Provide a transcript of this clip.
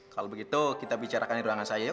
kalau begitu kita bicarakan di ruangan saya yuk